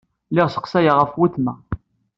Lliɣ sseqsayeɣ ɣef weltma.